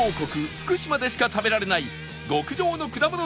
福島でしか食べられない極上のくだもの